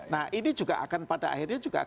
nah ini juga akan pada akhirnya juga